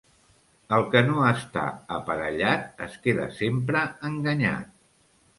El que no està aparellat es queda sempre enganyat.